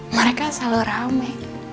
mereka selalu rame